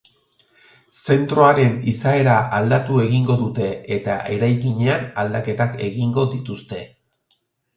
Zentroaren izaera aldatu egingo dute, eta eraikinean aldaketak egingo dituzte.